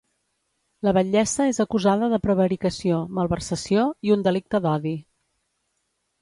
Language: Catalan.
La batllessa és acusada de prevaricació, malversació i un delicte d’odi.